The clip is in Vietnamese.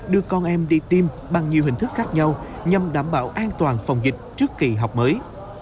đưa con em đi tiêm bằng nhiều hình thức khác nhau nhằm đảm bảo an toàn phòng dịch trước kỳ học mới